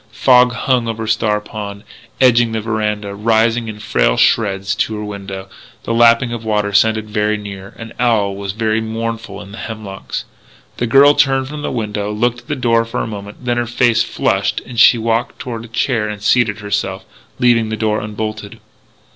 Fog hung over Star Pond, edging the veranda, rising in frail shreds to her window. The lapping of the water sounded very near. An owl was very mournful in the hemlocks. The girl turned from the window, looked at the door for a moment, then her face flushed and she walked toward a chair and seated herself, leaving the door unbolted.